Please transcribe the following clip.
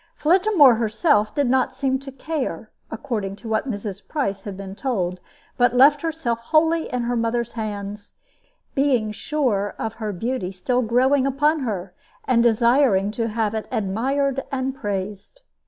Flittamore herself did not seem to care, according to what Mrs. Price had been told, but left herself wholly in her mother's hands, being sure of her beauty still growing upon her, and desiring to have it admired and praised.